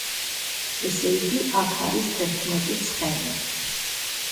ესე იგი, აქ არის თერთმეტი ცხენი.